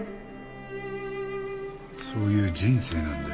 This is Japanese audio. そういう人生なんで。